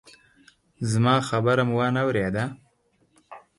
زما خبره مو وانه ورېده!